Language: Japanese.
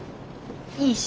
いいし！